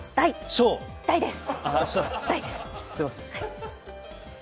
大です。